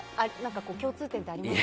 共通点とかありますか？